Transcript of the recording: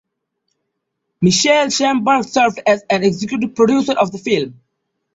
Michael Shamberg served as an executive producer of the film.